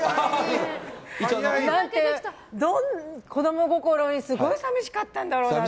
子供心にすごい寂しかったんだね。